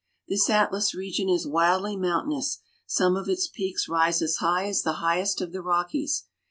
This Atlas region is wildly mountainous ; some of its peaks rise as high as the highest of the Rockies.